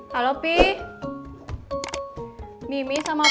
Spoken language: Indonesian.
tati mau beli bayam kacang toge sama timun